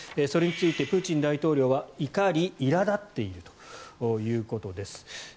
それについてプーチン大統領は怒り、いら立っているということです。